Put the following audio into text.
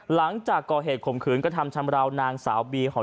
หลังจากก่อเหตุข่มขึรก็ทำชำระวนางสาวบี